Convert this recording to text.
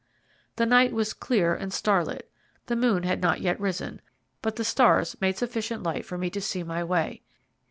The night was clear and starlit, the moon had not yet risen, but the stars made sufficient light for me to see my way.